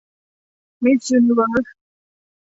มิสยูนิเวิร์ส